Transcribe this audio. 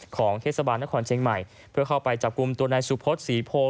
ของเทศบาลนครเชียงใหม่เพื่อเข้าไปจับกลุ่มตัวนายสุพศศรีโพ